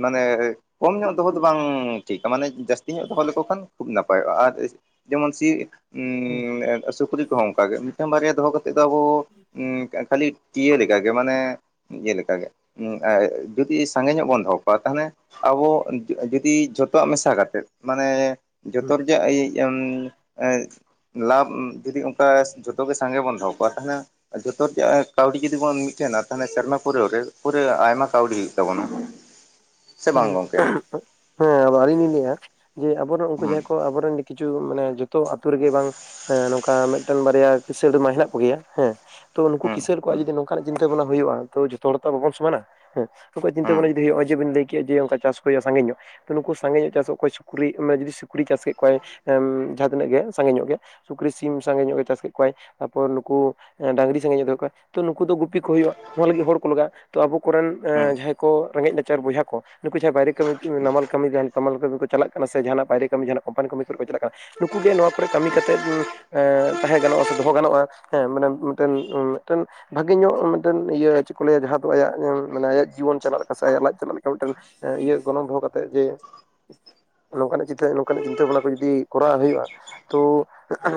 S2: ᱢᱟᱱᱮ ᱠᱚᱢ ᱧᱚᱜ ᱫᱚᱦᱚ ᱫᱚ ᱵᱟᱝ ᱴᱷᱤᱠᱟ, ᱢᱟᱱᱮ ᱡᱟᱹᱥᱛᱤ ᱧᱚᱜ ᱫᱚᱦᱚ ᱞᱮᱠᱚ ᱠᱷᱟᱱ ᱠᱷᱩᱵ ᱱᱟᱯᱟᱭᱚᱜᱼᱟ, ᱟᱨ ᱡᱮᱢᱚᱱ ᱥᱤᱜ
S1: ᱦᱩᱸ
S2: ᱩᱸ ᱮᱰ ᱥᱩᱠᱨᱤ ᱠᱚᱦᱚᱸ ᱚᱝᱠᱟ ᱜᱮ ᱢᱤᱫᱴᱟᱝ ᱵᱟᱨᱭᱟ ᱫᱚᱦᱚ ᱠᱟᱛᱮᱜ ᱫᱚ ᱟᱵᱚ ᱩᱸ ᱠᱷᱟᱹᱞᱤ ᱪᱤᱭᱟᱹ ᱞᱮᱠᱟ ᱜᱮ ᱢᱟᱱᱮ ᱤᱭᱟᱹ ᱞᱮᱠᱟ ᱜᱮ᱾ ᱩᱸ ᱮ ᱡᱩᱫᱤ ᱥᱟᱸᱜᱮ ᱧᱚᱜ ᱵᱚᱱ ᱫᱚᱦᱚ ᱠᱚᱣᱟ ᱛᱟᱦᱞᱮᱲ ᱟᱵᱚ ᱡᱩᱫᱤ ᱡᱷᱚᱛᱚᱣᱟᱜ ᱢᱮᱥᱟ ᱠᱟᱛᱮᱫ ᱢᱟᱱᱮ ᱡᱚᱛᱚ
S1: ᱦᱩᱸ
S2: ᱨᱮᱭᱟᱜ ᱤᱡ ᱤᱭᱟᱢ ᱮᱸ ᱞᱟᱵᱷ ᱡᱩᱫᱤ ᱚᱝᱠᱟ ᱡᱷᱚᱛᱚ ᱜᱮ ᱥᱟᱸᱜᱮ ᱵᱚᱱ ᱫᱚᱦᱚ ᱠᱚᱣᱟ ᱛᱟᱦᱞᱮ ᱡᱚᱛᱚ ᱡᱟ ᱮᱸ ᱠᱟᱹᱣᱰᱤ ᱡᱩᱫᱤ ᱵᱚᱱ ᱢᱤᱫᱴᱷᱮᱱᱟ ᱛᱟᱦᱞᱮ ᱥᱮᱨᱢᱟ ᱯᱩᱨᱟᱹ ᱨᱮ ᱯᱩᱨᱟᱹ ᱟᱭᱢᱟ ᱠᱟᱹᱣᱰᱤ ᱦᱩᱭᱩᱜ ᱛᱟᱵᱚᱱᱟ᱾ ᱥᱮ ᱵᱟᱝ ᱜᱚᱝᱠᱮ
S1: ᱦᱮᱸ ᱟᱹᱞᱤᱧ ᱞᱤᱧ ᱞᱟᱹᱭᱮᱜᱼᱟ, ᱡᱮ ᱟᱵᱚ ᱫᱚ ᱩᱝᱠᱩ
S2: ᱦᱩᱸ
S1: ᱡᱟᱦᱟᱸᱭ ᱠᱚ ᱟᱵᱚ ᱨᱮᱱ ᱠᱤᱪᱩ ᱢᱟᱱᱮ ᱡᱚᱛᱚ ᱟᱛᱩ ᱨᱮ ᱜᱮ ᱵᱟᱝ ᱮᱸ ᱱᱚᱝᱠᱟ ᱢᱤᱫᱴᱮᱱ ᱵᱟᱨᱭᱟ ᱠᱤᱥᱟᱹᱲ ᱢᱟ ᱦᱮᱱᱟᱜ ᱠᱚ ᱜᱮᱭᱟ ᱦᱮᱸ᱾ ᱛᱚ ᱱᱩᱠᱩ
S2: ᱦᱩᱸ
S1: ᱠᱤᱥᱟᱹᱲ ᱠᱚᱣᱟᱜ
S2: ᱦᱩᱸ
S1: ᱡᱩᱫᱤ ᱱᱚᱝᱠᱟᱱᱟᱜ ᱪᱤᱱᱛᱟᱹ ᱵᱷᱟᱱᱟ ᱦᱩᱭᱩᱜᱼᱟ ᱛᱚ ᱡᱚᱛᱚ ᱦᱚᱲ ᱛᱚ ᱵᱟᱵᱚᱱ ᱥᱚᱢᱟᱱᱟ᱾ ᱦᱮᱸ ᱱᱩᱠᱩᱣᱟᱜ ᱪᱤᱱᱛᱟᱹ
S2: ᱦᱩᱸ
S1: ᱵᱷᱟᱵᱱᱟ ᱡᱩᱫᱤ ᱦᱩᱭᱩᱜ ᱦᱚᱸᱜᱼᱚᱭ ᱡᱮ ᱵᱮᱱ ᱞᱟᱹᱭ ᱠᱮᱜ ᱡᱮ ᱚᱝᱠᱟ ᱪᱟᱥ ᱠᱚ ᱦᱩᱭᱩᱜᱼᱟ ᱚᱝᱠᱟ ᱥᱟᱸᱜᱮ ᱧᱚᱜ᱾ ᱱᱩᱠᱩ ᱥᱟᱸᱜᱮ ᱧᱚᱜ ᱪᱟᱥᱚᱜ ᱠᱚᱣᱟᱭ ᱪᱷᱩᱠᱨᱤ ᱚᱱᱟ ᱡᱩᱫᱤ ᱥᱩᱠᱨᱤ ᱪᱟᱥ ᱠᱮᱫ ᱠᱚᱣᱟᱭ ᱮᱢ ᱡᱟᱦᱟᱸ ᱛᱤᱱᱟᱹᱜ ᱜᱮ ᱥᱟᱸᱜᱮ ᱧᱚᱜ ᱜᱮ ᱥᱩᱠᱨᱤ ᱥᱤᱢ ᱥᱟᱸᱜᱮ ᱧᱚᱜ ᱜᱮ ᱪᱟᱥ ᱠᱮᱫ ᱠᱚᱣᱟᱭ ᱛᱟᱨᱯᱚᱨ ᱱᱩᱠᱩ ᱰᱟᱹᱝᱨᱤ ᱥᱟᱸᱜᱤᱧ ᱫᱚᱦᱚ ᱠᱚᱣᱟ ᱛᱚ ᱱᱩᱠᱩ ᱫᱚ ᱜᱩᱯᱤ ᱠᱚ ᱦᱩᱭᱩᱜ-ᱟ ᱱᱚᱣᱟ ᱞᱟᱹᱜᱤᱫ ᱦᱚᱲ ᱠᱚ ᱞᱟᱜᱟᱜ-ᱟ ᱛᱚ ᱟᱵᱚ ᱠᱚ ᱨᱮᱱ
S2: ᱦᱩᱸ
S1: ᱮᱸ ᱡᱟᱦᱟᱸᱭ ᱠᱚ ᱨᱮᱸᱜᱮᱡ ᱱᱟᱪᱟᱨ ᱵᱚᱭᱦᱟ ᱠᱚ ᱱᱩᱠᱩ ᱡᱟᱦᱟᱸᱭ ᱵᱟᱭᱨᱮ ᱠᱟᱹᱢᱤ ᱪᱩ ᱱᱟᱢᱟᱞ ᱠᱟᱹᱢᱤ ᱛᱟᱢᱟᱞ ᱠᱟᱹᱢᱤ ᱠᱚ ᱪᱟᱞᱟᱜ ᱠᱟᱱᱟ ᱥᱮ ᱡᱟᱦᱟᱱᱟᱜ ᱵᱟᱭᱨᱮ ᱠᱟᱹᱢᱤ ᱡᱟᱦᱟᱱᱟᱜ ᱠᱚᱯᱟᱱ ᱠᱟᱹᱢᱤ ᱠᱚᱨᱮ ᱠᱚ ᱪᱟᱞᱟᱜ ᱠᱟᱱᱟ᱾ ᱱᱩᱠᱩ ᱜᱮ ᱱᱚᱶᱟ ᱠᱚᱨᱮ ᱠᱟᱹᱢᱤ ᱠᱟᱛᱮᱫ ᱩᱸ ᱛᱟᱦᱮᱸ ᱜᱟᱱᱚᱜ-ᱟ ᱥᱮ ᱫᱚᱦᱚ ᱜᱟᱱᱚᱜ-ᱟ ᱦᱮᱸ ᱢᱟᱱᱮ ᱢᱤᱫ ᱴᱮᱱ ᱢᱤᱫ ᱴᱮᱱ ᱵᱷᱟᱜᱮ ᱧᱚᱜ ᱢᱤᱫ ᱴᱮᱱ ᱤᱭᱟᱹ ᱪᱮᱫ ᱠᱚ ᱞᱟᱹᱭᱟ ᱡᱟᱦᱟᱸ ᱫᱚ ᱟᱭᱟᱜ ᱮᱢ ᱟᱭᱟᱜ ᱡᱤᱭᱚᱱ ᱪᱟᱞᱟᱜ ᱞᱮᱠᱟ ᱥᱮ ᱟᱭᱟᱜ ᱞᱟᱡ ᱪᱟᱞᱟᱜ ᱞᱮᱠᱟ ᱢᱤᱫ ᱴᱮᱱ ᱮᱸ ᱤᱭᱟᱹ ᱜᱚᱱᱚᱝ ᱫᱚᱦᱚ ᱠᱟᱛᱮᱫ ᱡᱮ ᱱᱚᱝᱠᱟᱱᱟᱜ ᱪᱤᱛᱟᱹ ᱱᱚᱝᱠᱟᱱᱟᱜ ᱪᱤᱱᱛᱟᱹ ᱵᱷᱟᱵᱽᱱᱟ ᱠᱚ ᱡᱩᱫᱤ ᱠᱚᱨᱟᱣ ᱦᱩᱭᱩᱜ-ᱟ ᱛᱚ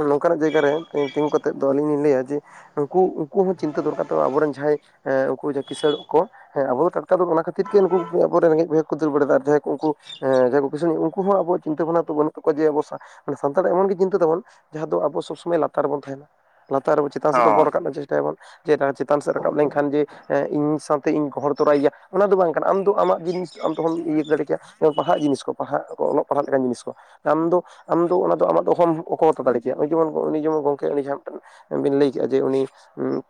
S1: ᱱᱚᱝᱠᱟᱱᱟᱜ ᱡᱟᱭᱜᱟ ᱨᱮ ᱛᱤᱸᱜᱩ ᱠᱟᱛᱮᱫ ᱫᱚ ᱟᱞᱤᱧ ᱞᱤᱧ ᱞᱟᱹᱭᱟ ᱡᱮ ᱩᱱᱠᱩ ᱩᱱᱠᱩ ᱦᱚᱸ ᱪᱤᱱᱛᱟᱹ ᱫᱚᱨᱠᱟᱨ ᱛᱟᱠᱚ ᱟᱵᱚ ᱨᱮᱱ ᱡᱟᱦᱟᱸᱭ ᱮᱸ ᱩᱱᱠᱩ ᱠᱤᱥᱟᱹᱬ ᱠᱚ ᱦᱮᱸ ᱟᱵᱚ ᱫᱚ ᱴᱟᱴᱠᱟ ᱫᱚ ᱚᱱᱟ ᱠᱷᱟᱹᱛᱤᱨ ᱜᱮ ᱩᱱᱠᱩ ᱟᱵᱚ ᱨᱮᱜᱮᱡ ᱵᱚᱭᱦᱟ ᱠᱚ ᱫᱟᱹᱲ ᱵᱟᱲᱟᱫᱟ ᱡᱟᱦᱟᱸᱭ ᱠᱚ ᱩᱱᱠᱩ ᱮᱸ ᱡᱟᱦᱟᱸᱭ ᱠᱤᱥᱟᱹᱲ ᱩᱱᱠᱩ ᱦᱚᱸ ᱟᱵᱚᱣᱟᱜ ᱪᱤᱱᱛᱟᱹ ᱵᱷᱟᱱᱟ ᱫᱚ ᱵᱟᱹᱱᱩᱜ ᱛᱟᱠᱚᱣᱟ ᱡᱮ ᱟᱵᱚ ᱥᱟᱸ ᱥᱟᱱᱛᱟᱲᱟᱜ ᱮᱢᱚᱱ ᱜᱮ ᱪᱤᱱᱛᱟᱹ ᱛᱟᱵᱚᱱ ᱡᱟᱦᱟᱸ ᱫᱚ ᱟᱵᱚ ᱥᱚᱵᱽ ᱥᱚᱢᱚᱭ ᱞᱟᱛᱟᱨ ᱨᱮ ᱵᱚᱱ ᱛᱟᱦᱮᱱᱟ ᱞᱟᱛᱟᱨ ᱨᱮᱵᱚ ᱪᱮᱛᱟᱱ ᱥᱮᱫ ᱫᱚᱵᱚᱱ
S2: ᱦᱳᱭ
S1: ᱨᱟᱠᱟᱵᱟ ᱡᱮ ᱛᱮ ᱟᱵᱚᱱ ᱪᱮᱛᱟᱱ ᱥᱮᱫ ᱨᱟᱠᱟᱵ ᱞᱮᱱᱠᱷᱟᱱ ᱡᱮ ᱮᱸ ᱤᱧ ᱥᱟᱶᱛᱮ ᱤᱧ ᱜᱚᱦᱚᱲ ᱛᱚᱨᱟᱭᱮᱭᱟ ᱚᱱᱟ ᱫᱚ ᱵᱟᱝ ᱠᱟᱱᱟ ᱟᱢ ᱛᱩ ᱟᱢᱟᱜ ᱡᱤᱱᱤᱥ ᱟᱢ ᱛᱮᱦᱚᱢ ᱤᱭᱟᱹ ᱫᱟᱲᱮ ᱠᱮᱭᱟ ᱯᱟᱲᱦᱟᱜ ᱡᱤᱱᱤᱥ ᱠᱚ ᱯᱟᱲᱦᱟᱜ ᱠᱚ ᱚᱞᱚᱜ ᱯᱟᱲᱦᱟᱜ ᱞᱮᱠᱟᱱ ᱡᱤᱱᱤᱥ ᱠᱚ ᱟᱢ ᱫᱚ ᱟᱢ ᱫᱚ ᱚᱱᱟ ᱫᱚ ᱟᱢᱟᱜ ᱫᱚ ᱚᱦᱚᱢ ᱚᱠᱚ ᱚᱛᱚ ᱫᱟᱲᱮ ᱠᱮᱭᱟ ᱡᱮᱢᱚᱱ ᱩᱱᱤ ᱡᱮᱢᱚᱱ ᱜᱚᱝᱠᱮ ᱩᱱᱤ ᱡᱟᱦᱟᱸ ᱢᱤᱫ ᱴᱮᱱ ᱵᱤᱱ ᱞᱟᱹᱭ ᱠᱮᱫᱮᱜ-ᱟ ᱡᱮ ᱩᱱᱤ ᱩᱸ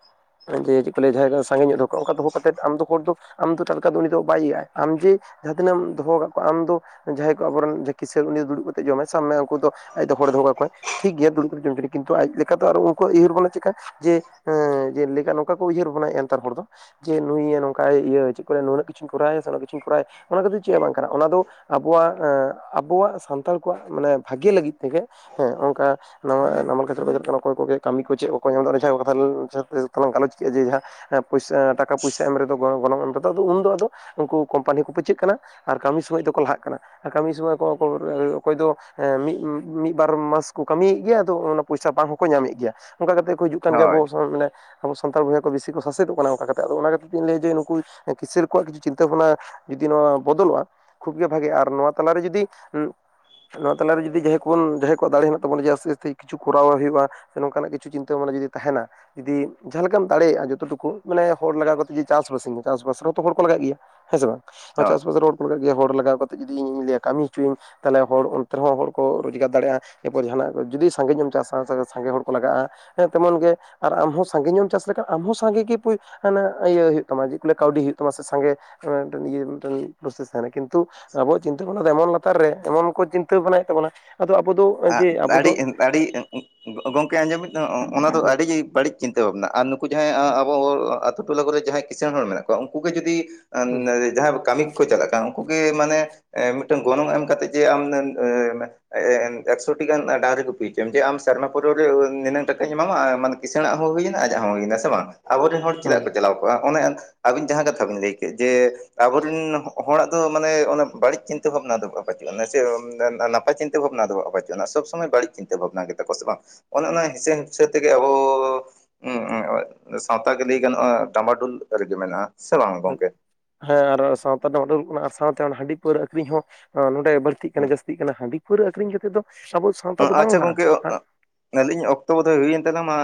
S1: ᱡᱮ ᱪᱮᱫ ᱠᱚ ᱞᱟᱹᱭᱟ ᱡᱟᱦᱟᱸᱭ ᱫᱚ ᱥᱟᱸᱜᱤᱧ ᱧᱚᱜ ᱫᱚᱦᱚ ᱠᱚ ᱚᱱᱠᱟ ᱫᱚᱦᱚ ᱠᱟᱛᱮᱫ ᱟᱢ ᱫᱚ ᱦᱚᱲ ᱫᱚ ᱟᱢ ᱫᱚ ᱴᱟᱴᱠᱟ ᱩᱱᱤ ᱫᱚ ᱵᱟᱭ ᱤᱭᱟᱹᱜ-ᱟ ᱟᱢ ᱡᱮ ᱡᱟᱦᱟᱸ ᱛᱤᱱᱟᱹᱜ ᱮᱢ ᱫᱚᱦᱚ ᱠᱟᱜ ᱠᱚᱣᱟ ᱟᱢ ᱫᱚ ᱡᱟᱦᱟᱸᱭ ᱠᱚ ᱟᱵᱚ ᱨᱮᱱ ᱡᱮ ᱠᱤᱥᱟᱹᱲ ᱩᱱᱤ ᱫᱚ ᱫᱩᱲᱩᱵ ᱠᱟᱛᱮᱜ ᱡᱚᱢᱟᱭ ᱥᱟᱵ ᱢᱮ ᱩᱱᱠᱩ ᱫᱚ ᱟᱡ ᱫᱚ ᱦᱚᱲ ᱫᱚᱦᱚ ᱠᱟ ᱠᱚᱣᱟᱭ ᱴᱷᱤᱠ ᱜᱮᱭᱟ ᱫᱩᱲᱩᱵ ᱠᱟᱛᱮᱫ ᱡᱚᱢ ᱩᱪᱩ ᱜᱮ ᱠᱤᱱᱛᱩ ᱟᱡ ᱞᱮᱠᱟ ᱫᱚ ᱟᱨᱚ ᱩᱱᱠᱩᱣᱟᱜ ᱩᱭᱦᱟᱹᱨ ᱵᱚᱱᱟ ᱪᱮᱠᱟ? ᱡᱮ ᱮᱸ ᱡᱮ ᱞᱮᱠᱟ ᱱᱚᱝᱠᱟ ᱠᱚ ᱩᱭᱦᱟᱹᱨ ᱵᱷᱟᱵᱱᱟ ᱮᱫᱟ ᱱᱮᱛᱟᱨ ᱦᱚᱲ ᱫᱚ ᱡᱮ ᱱᱩᱭ ᱱᱚᱝᱠᱟᱭ ᱤᱭᱟᱹ ᱪᱮᱫ ᱠᱚᱭ ᱱᱩᱱᱟᱹᱜ ᱠᱤᱪᱷᱩᱧ ᱠᱚᱨᱟᱣᱮᱜ-ᱟ ᱥᱮ ᱚᱱᱟ ᱠᱤᱪᱷᱩ ᱠᱚᱨᱟᱣ ᱮᱫ ᱚᱱᱟ ᱠᱷᱟᱹᱛᱤᱨ ᱪᱮᱫ ᱦᱚᱸ ᱵᱟᱝ ᱠᱟᱱᱟ ᱚᱱᱟ ᱫᱚ ᱟᱵᱚᱣᱟᱜ ᱮᱸ ᱟᱵᱚᱣᱟᱜ ᱥᱟᱱᱛᱟᱲ ᱠᱚᱣᱟᱜ ᱢᱟᱱᱮ ᱵᱷᱟᱜᱮ ᱞᱟᱹᱜᱤᱫ ᱛᱮᱜᱮ ᱦᱮᱸ ᱚᱱᱠᱟ ᱱᱚᱶᱟ ᱱᱟᱢᱟᱞ [unintelligible] ᱠᱟᱹᱢᱤ ᱠᱚ ᱚᱠᱚᱭ ᱠᱚ ᱜᱮ ᱪᱮᱫ ᱠᱚ ᱚᱠᱚᱭ ᱠᱚᱜᱮ [unintelligible] ᱯᱚᱭᱥᱟ ᱴᱟᱠᱟ ᱯᱚᱭᱥᱟ ᱮᱢ ᱨᱮᱫᱚ ᱜᱚᱜᱚᱱᱚᱝ ᱮᱢ ᱨᱮᱫᱚ ᱟᱫᱚ ᱩᱱᱫᱚ ᱟᱫᱚ ᱩᱱᱠᱩ ᱠᱳᱢᱯᱟᱱᱤ ᱠᱚ ᱯᱟᱹᱪᱟᱹᱜ ᱠᱟᱱᱟ᱾ ᱟᱨ ᱠᱟᱹᱢᱤ ᱥᱚᱢᱚᱭ ᱫᱚᱠᱚ ᱞᱟᱦᱟᱜ ᱠᱟᱱᱟ᱾ ᱠᱟᱹᱢᱤ ᱥᱚᱢᱚᱭ ᱠᱚ ᱚᱠᱚᱭ ᱫᱚ ᱢᱤᱜ ᱢᱤᱜ ᱵᱟᱨ ᱢᱟᱥ ᱠᱚ ᱠᱟᱹᱢᱤᱭᱮᱫ ᱜᱮᱭᱟ ᱟᱫᱚ ᱚᱱᱟ ᱯᱚᱭᱥᱟ ᱵᱟᱝ ᱦᱚᱸᱠᱚ ᱧᱟᱢᱮᱜ ᱜᱮᱭᱟ ᱚᱱᱠᱟ ᱠᱟᱛᱮ ᱠᱚ ᱦᱤᱡᱩᱜ ᱠᱟᱱ ᱜᱮᱭᱟ
S2: ᱦᱳᱭ ᱦᱳᱭ
S1: ᱟᱵᱚ ᱥᱟᱱ ᱟᱵᱚ ᱥᱟᱱᱛᱟᱲ ᱵᱚᱭᱦᱟ ᱵᱤᱥᱤ ᱠᱚ ᱥᱟᱥᱮᱫᱚᱜ ᱠᱟᱱᱟ ᱚᱱᱠᱟ ᱠᱟᱛᱮ ᱟᱫᱚ ᱚᱱᱟ ᱠᱷᱟᱛᱤᱨ ᱛᱤᱧ ᱞᱟᱹᱭ ᱡᱮ ᱱᱩᱠᱩ ᱠᱤᱥᱟᱹᱬ ᱠᱚᱣᱟᱜ ᱠᱤᱪᱷᱩ ᱪᱤᱱᱛᱟᱹ ᱵᱷᱟᱵᱱᱟ ᱡᱩᱫᱤ ᱱᱚᱶᱟ ᱵᱚᱫᱚᱞᱚᱜᱼᱟ ᱠᱷᱩᱵᱜᱮ ᱵᱷᱟᱜᱤᱼᱟ ᱟᱨ ᱱᱚᱶᱟ ᱛᱟᱞᱟᱨᱮ ᱡᱩᱫᱤ ᱱᱚᱣᱟ ᱛᱟᱞᱟᱨᱮ ᱡᱩᱫᱤ ᱡᱟᱦᱟᱭ ᱠᱚᱵᱚᱱ ᱡᱟᱸᱦᱟᱭ ᱠᱚᱣᱟᱜ ᱫᱟᱲᱮ ᱢᱮᱱᱟᱜ ᱛᱟᱵᱚᱱ ᱡᱮ ᱟᱥᱛᱮ ᱟᱥᱛᱮ ᱠᱤᱪᱷᱩ ᱠᱚᱨᱟᱣ ᱦᱩᱭᱩᱜᱼᱟ ᱱᱚᱝᱠᱟᱱᱟᱜ ᱠᱤᱪᱷᱩ ᱪᱤᱱᱛᱟᱹ ᱵᱷᱟᱵᱱᱟ ᱡᱩᱫᱤ ᱛᱟᱦᱮᱱᱟ᱾ ᱡᱩᱫᱤ ᱡᱟᱦᱟ ᱞᱮᱠᱟᱢ ᱫᱟᱲᱮᱭᱟᱜᱼᱟ ᱡᱚᱛᱚ ᱴᱩᱠᱩ ᱢᱟᱱᱮ ᱦᱚᱲ ᱞᱟᱜᱟᱣ ᱠᱟᱛᱮ ᱡᱩᱫᱤ ᱪᱟᱥᱵᱟᱥ ᱟᱹᱧ ᱪᱟᱥᱵᱟᱥ ᱨᱮᱦᱚ ᱛᱚ ᱦᱚᱲ ᱠᱚ ᱞᱟᱜᱟᱜ ᱜᱮᱭᱟ ᱦᱮᱸ ᱥᱮ ᱵᱟᱝ ᱟᱨ ᱪᱟᱥᱵᱟᱥ ᱨᱮ ᱦᱚᱲ ᱠᱚ ᱞᱟᱜᱟᱜ ᱜᱮᱭᱟ ᱦᱚᱲ ᱞᱟᱜᱟᱣ ᱠᱟᱛᱮ ᱡᱩᱫᱤ ᱤᱧ ᱞᱟᱹᱭᱟ ᱠᱟᱢᱤ ᱦᱚᱪᱚᱭᱟᱹᱧ ᱛᱟᱦᱚᱞᱮ ᱦᱚᱲ ᱚᱱᱛᱮ ᱨᱮᱦᱚᱸ ᱦᱚᱲ ᱠᱚ ᱨᱳᱡᱽᱜᱟᱨ ᱫᱟᱲᱮᱜᱼᱟ ᱮᱨᱯᱚᱨ ᱡᱟᱦᱟᱱᱟᱜ ᱠᱚ ᱡᱩᱫᱤ ᱥᱟᱸᱜᱮ ᱵᱚᱱ ᱪᱟᱥᱟ ᱥᱮ ᱥᱟᱸᱜᱮ ᱦᱚᱲ ᱠᱚ ᱞᱟᱜᱟᱜᱼᱟ ᱦᱮᱸ ᱛᱮᱢᱚᱱ ᱜᱮ ᱟᱨ ᱟᱢᱦᱚᱸ ᱥᱟᱸᱜᱮ ᱧᱚᱜ ᱮᱢ ᱪᱟᱥ ᱞᱮᱠᱷᱟᱱ ᱟᱢ ᱦᱚᱸ ᱥᱟᱸᱜᱮ ᱜᱮ ᱯᱚ ᱦᱟᱱᱟ ᱤᱭᱟᱹ ᱦᱩᱭᱩᱜ ᱛᱟᱢᱟ ᱪᱮᱫ ᱠᱚ ᱞᱟᱹᱭᱟ ᱠᱟᱹᱣᱰᱤ ᱦᱩᱭᱩᱜ ᱛᱟᱢᱟ ᱢᱟᱥᱮ ᱥᱟᱸᱜᱮ ᱱᱚᱜᱚᱭ ᱢᱤᱫ ᱴᱟᱝ ᱤᱭᱟᱹ ᱢᱤ ᱫᱴᱟᱝ ᱯᱨᱚᱥᱮᱥᱟ ᱨᱮ ᱠᱤᱱᱛᱩ ᱟᱵᱚᱣᱟᱜ ᱪᱤᱱᱛᱟᱹ ᱵᱷᱟᱵᱱᱟ ᱫᱚ ᱮᱢᱚᱱ ᱞᱟᱛᱟᱨ ᱨᱮ ᱮᱢᱚᱱ ᱠᱚ ᱪᱤᱱᱛᱟᱹ ᱵᱷᱟᱵᱱᱟᱭᱮᱫ ᱛᱟᱵᱚᱱᱟ ᱟᱫᱚ ᱟᱵᱚ ᱫᱚ
S2: ᱟᱜ
S1: ᱡᱮ ᱟᱵᱚ ᱫᱚ
S2: ᱫᱟᱲᱤᱜ ᱤᱱ ᱟᱹᱰᱤ ᱜᱚᱝᱠᱮ ᱟᱸᱡᱚᱢᱮᱫ ᱫᱚ ᱚᱱᱟ ᱫᱚ
S1: ᱦᱩᱸ
S2: ᱟᱹᱰᱤ ᱵᱟᱹᱲᱤᱡ ᱪᱤᱱᱛᱟᱹ ᱵᱷᱟᱵᱽᱱᱟ ᱟᱨ ᱱᱩ ᱱᱩᱠᱩ ᱡᱟᱸᱦᱟᱭ ᱟᱵᱚ ᱟᱛᱩ ᱴᱚᱞᱟ ᱠᱚᱨᱮ ᱡᱟᱸᱦᱟᱭ ᱠᱤᱸᱥᱟᱹᱬ ᱦᱚᱲ ᱢᱮᱱᱟᱜ ᱠᱚᱣᱟ ᱩᱱᱠᱩ ᱜᱮ ᱡᱩᱫᱤ
S1: ᱦᱩᱸ
S2: ᱡᱟᱸᱦᱟᱭ ᱠᱟᱢᱤ ᱠᱚ ᱪᱟᱞᱟᱜ ᱠᱟᱱᱟ ᱩᱱᱩᱜ ᱜᱮ ᱢᱟᱱᱮ ᱢᱤᱫᱴᱮᱱ ᱜᱚᱱᱚᱝ ᱮᱢ ᱠᱟᱛᱮᱜ ᱡᱮ ᱟᱢ ᱮᱸ ᱮᱸ ᱮᱠᱥᱚ ᱴᱤ ᱜᱟᱱ ᱰᱟᱸᱝᱨᱤ ᱜᱩᱯᱤ ᱦᱚᱪᱚᱭᱮᱢ ᱡᱮ ᱟᱢ ᱥᱮᱨᱢᱟ ᱯᱩᱨᱟᱹᱣ ᱨᱮ ᱳᱭ ᱱᱤᱱᱟᱹᱝ ᱴᱟᱠᱟᱧ ᱮᱢᱟᱢᱟ ᱢᱟᱱᱮ ᱠᱤᱸᱥᱟᱹᱬᱟᱜ ᱦᱚᱸ ᱦᱩᱭᱱᱟ ᱟᱡᱟᱜ ᱦᱚᱸ ᱦᱩᱭᱱᱟ ᱥᱮ ᱵᱟᱝ ᱟᱵᱚᱨᱮᱱ ᱦᱚᱲ ᱪᱮᱫᱟᱜ ᱠᱚ
S1: ᱦᱩᱸ
S2: ᱪᱟᱞᱟᱣ ᱠᱚᱜᱼᱟ ᱚᱱᱮ ᱟᱹᱵᱤᱱ ᱡᱟᱦᱟ ᱠᱟᱛᱷᱟ ᱵᱤᱱ ᱞᱟᱹᱭ ᱠᱮᱫ ᱡᱮ ᱟᱵᱚᱨᱤᱱ ᱦᱚ-ᱦᱚᱲᱟᱜ ᱫᱚ ᱢᱟᱱᱮ ᱚᱱᱟ ᱵᱟᱹᱲᱤᱡ ᱪᱤᱱᱛᱟᱹ ᱵᱷᱟᱵᱱᱟ ᱫᱚ ᱵᱟᱹᱪᱩᱜᱼᱟ ᱱᱟᱯᱟᱭ ᱪᱤᱱᱛᱟᱹ ᱵᱷᱟᱵᱱᱟ ᱫᱚ ᱵᱟᱹᱪᱩᱜᱼᱟ ᱥᱚᱵ ᱥᱚᱢᱚᱭ ᱵᱟᱹᱲᱤᱡ ᱪᱤᱱᱛᱟᱹ ᱵᱷᱟᱵᱱᱟ ᱜᱮᱛᱟ ᱠᱚ ᱥᱮ ᱵᱟᱝ ᱚᱱᱮ ᱚᱱᱟ ᱦᱤᱸᱥᱟᱹ ᱦᱤᱝᱥᱟᱹ ᱛᱮᱜᱮ ᱟᱵᱚ ᱚᱸ ᱚᱸ ᱥᱟᱶᱛᱟ ᱜᱮ ᱞᱟᱹᱭ ᱜᱟᱱᱚᱜᱼᱟ ᱰᱟᱢᱵᱟᱰᱩᱞ ᱨᱮᱜᱮ ᱢᱮᱱᱟᱜᱼᱟ ᱥᱮ ᱵᱟᱝ ᱜᱚᱝᱠᱮ?
S1: ᱦᱮᱸ ᱟᱨ ᱥᱟᱶᱛᱟ ᱨᱮᱱᱟᱜ ᱩᱰᱟᱹᱞ ᱠᱟᱱᱟ ᱟᱨ ᱥᱟᱶᱛᱮ ᱦᱟᱺᱰᱤ ᱯᱟᱹᱣᱨᱟᱹ ᱟᱹᱠᱷᱨᱤᱧ ᱦᱚᱸ ᱱᱚᱸᱰᱮ ᱵᱟᱹᱲᱛᱤᱜ ᱠᱟᱱᱟ
S2: ᱦᱮᱸ
S1: ᱡᱟᱹᱥᱛᱤᱜ ᱠᱟᱱᱟ ᱦᱟᱺᱰᱤ ᱯᱟᱹᱣᱨᱟᱹ ᱟᱹᱠᱷᱨᱤᱧ ᱠᱟᱛᱮᱫ ᱫᱚ ᱟᱵᱚ ᱥᱟᱶᱛᱟ ᱫᱚ ᱵᱟᱝ
S2: ᱟᱪᱪᱷᱟ
S1: ᱞᱟᱦᱟᱜᱼᱟ᱾
S2: ᱜᱚᱝᱠᱮ ᱟᱹᱞᱤᱧ ᱚᱠᱛᱚ ᱵᱳᱫᱷᱳᱭ ᱦᱩᱭᱮᱱ ᱛᱮᱞᱟᱢᱟ